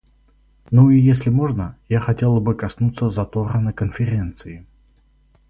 Ну и если можно, я хотела бы коснуться затора на Конференции.